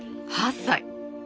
８歳。